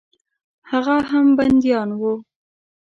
هغه هم بندیان وه.